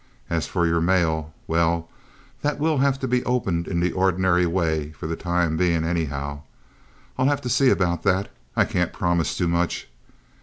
As for your mail—well, that will have to be opened in the ordinary way for the time being, anyhow. I'll have to see about that. I can't promise too much.